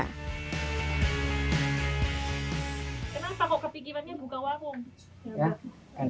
kenapa kepikirannya buka warung